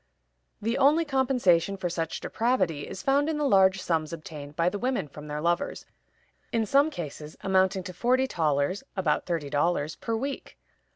The only compensation for such depravity is found in the large sums obtained by the women from their lovers, in some cases amounting to forty thalers (about thirty dollars) per week.